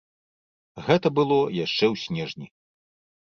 Гэта было яшчэ ў снежні.